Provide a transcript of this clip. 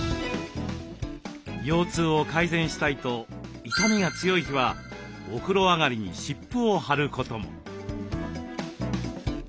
腰痛を改善したいと痛みが強い日はお風呂上がりに湿布を貼ることも。